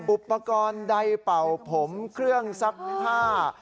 อุปกรณ์ใดเป่าผมเครื่องซักผ้า